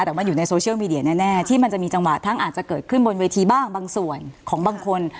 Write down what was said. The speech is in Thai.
แต่มันอยู่ในโซเชียลมีเดียแน่ที่มันจะมีจังหวะทั้งอาจจะเกิดขึ้นบนเวทีบ้างบางส่วนของบางคน